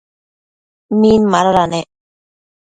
Min madoda nec ?